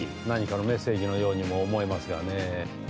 何かのメッセージのようにも思えますがね。